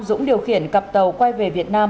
dũng điều khiển cặp tàu quay về việt nam